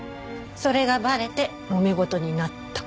それがバレてもめ事になった。